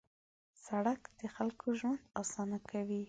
سړک د خلکو ژوند اسانه کوي.